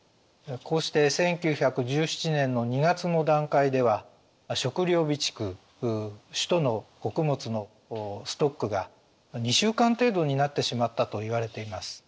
こうして１９１７年の２月の段階では食糧備蓄首都の穀物のストックが２週間程度になってしまったといわれています。